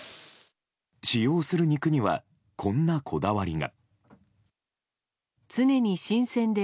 使用する肉にはこんなこだわりが。